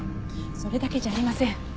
それだけじゃありません。